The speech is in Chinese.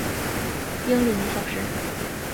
英里每小时。